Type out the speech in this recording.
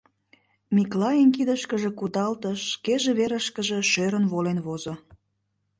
Миклайын кидышкыже кудалтыш, шкеже верышкыже шӧрын волен возо.